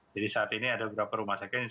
jadi saat ini ada beberapa rumah sakit yang